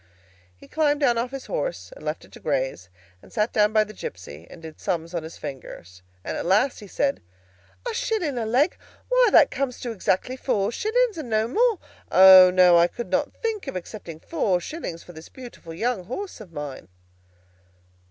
He climbed down off his horse, and left it to graze, and sat down by the gipsy, and did sums on his fingers, and at last he said, "A shilling a leg? Why, that comes to exactly four shillings, and no more. O, no; I could not think of accepting four shillings for this beautiful young horse of mine."